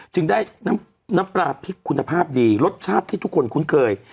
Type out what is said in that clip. จึงได้น้ำปลาพริกคุณภาพดีรสชาติที่ทุกคนคุ้นเคย